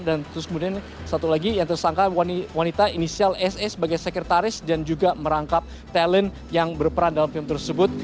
dan terus kemudian satu lagi yang tersangka wanita inisial ss sebagai sekretaris dan juga merangkap talent yang berperan dalam film tersebut